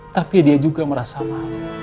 tapi dia juga merasa mahal